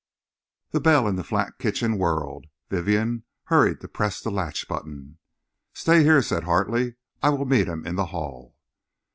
The bell in the flat kitchen whirred. Vivienne hurried to press the latch button. "Stay here," said Hartley. "I will meet him in the hall."